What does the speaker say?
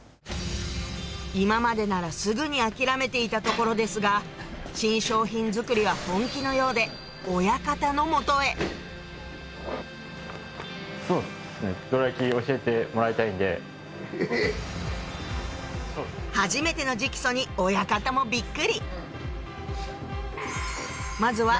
今までならすぐに諦めていたところですが新商品作りは本気のようで初めての直訴に親方もビックリまずは